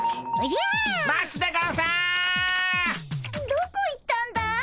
どこ行ったんだい？